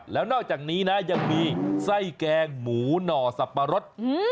แล้วนอกจากนี้นะยังมีไส้แกงหมูหน่อสับปะรด